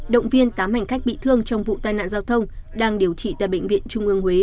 động viên tám hành khách bị thương trong vụ tai nạn giao thông đang điều trị tại bệnh viện trung ương huế